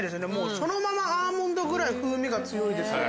そのままアーモンドぐらい風味が強いですよ。